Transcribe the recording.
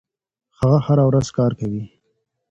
هغه هره ورځ کار کوي.